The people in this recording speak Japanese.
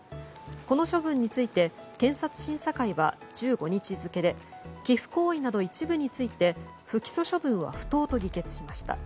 この処分について検察審査会は１５日付で寄付行為など一部について不起訴処分は不当と議決しました。